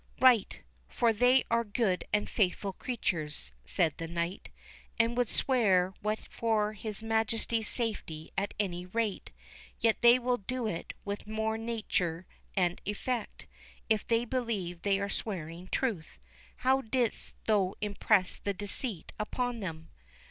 "Right, for they are good and faithful creatures," said the knight, "and would swear what was for his Majesty's safety at any rate; yet they will do it with more nature and effect, if they believe they are swearing truth.—How didst thou impress the deceit upon them?"